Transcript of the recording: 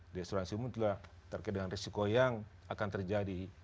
di asuransi umum juga terkait dengan risiko yang akan terjadi